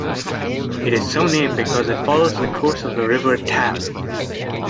It is so named because it follows the course of the River Taff.